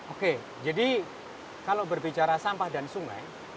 oke jadi kalau berbicara sampah dan sungai